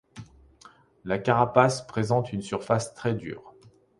La carapace présente une surface très dure.